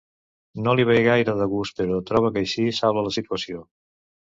No li ve gaire de gust, però troba que així salva la situació.